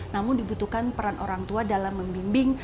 namun dibutuhkan peran orang tua dalam membimbing